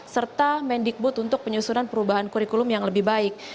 serta mendikbud untuk penyusunan perubahan kurikulum yang lebih baik